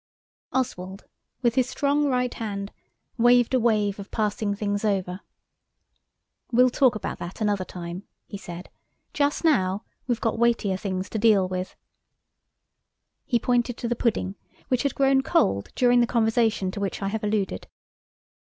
Oswald, with his strong right hand, waved a wave of passing things over. "We'll talk about that another time," he said; "just now we've got weightier things to deal with." He pointed to the pudding, which had grown cold during the conversation to which I have alluded.